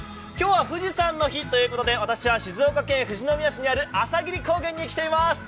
今日は富士山の日ということで私は、静岡県富士宮市にある朝霧高原に来ています。